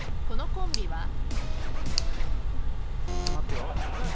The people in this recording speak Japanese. このコンビは？